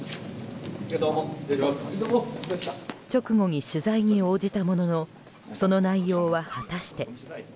直後に取材に応じたもののその内容は果たして。